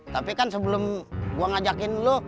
tapi kan sebelum gue ngajakin dulu